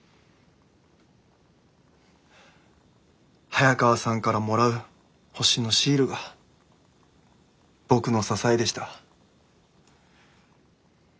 早川さんからもらう星のシールが僕の支えでした。